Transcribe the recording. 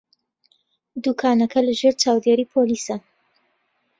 دوکانەکە لەژێر چاودێریی پۆلیسە.